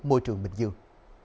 môi trường bình dương